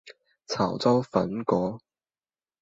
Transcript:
潮州粉果